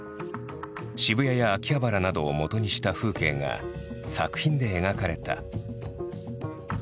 渋谷や秋葉原などをもとにした風景が作品で描かれた。